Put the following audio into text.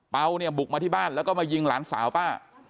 เป้าบุกมาที่บ้านแล้วก็มายิงหลังสาวป่ะ